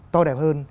to đẹp hơn